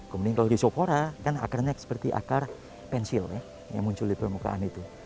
kemudian kalau di sopora kan akarnya seperti akar pensil ya yang muncul di permukaan itu